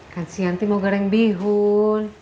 kan si yanti mau goreng bihun